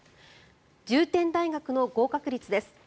重点大学の合格率です。